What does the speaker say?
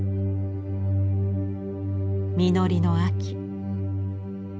実りの秋。